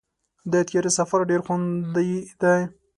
د طیارې سفر ډېر خوندي دی.